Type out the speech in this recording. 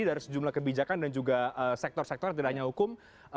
dari sejumlah kebijakan dan juga sektor sektor yang tidak hanya hukum